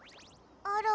あら。